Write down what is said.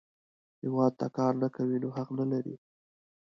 هیواد ته کار نه کوې، نو حق نه لرې